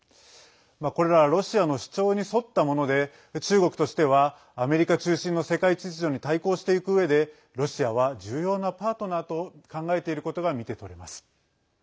これらはロシアの主張に沿ったもので、中国としてはアメリカ中心の世界秩序に対抗していくうえでロシアは重要なパートナーと考えていることが見て取れます。